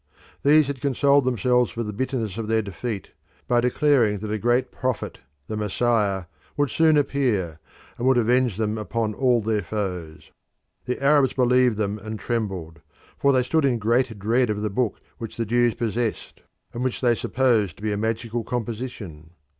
These had consoled themselves for the bitterness of their defeat by declaring that a great prophet, the Messiah, would soon appear, and would avenge them upon all their foes. The Arabs believed them and trembled, for they stood in great dread of the book which the Jews possessed, and which they supposed to be a magical composition.